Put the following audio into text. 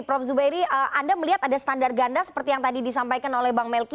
prof zubairi anda melihat ada standar ganda seperti yang tadi disampaikan oleh bang melki